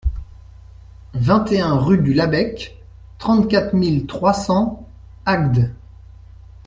vingt et un rue du Labech, trente-quatre mille trois cents Agde